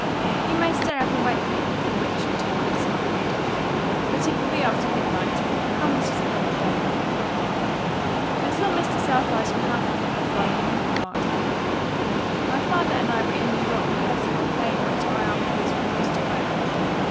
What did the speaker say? "You may stay up and wait for him if you wish," returned Miss Southard, "but it will be after midnight. 'Hamlet' is a long play." "I saw Mr. Southard in 'Hamlet' long before I knew him," remarked Anne. "My father and I were in New York rehearsing the play in which I afterwards refused to work.